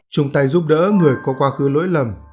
chúng ta giúp đỡ người có quá khứ lỗi lầm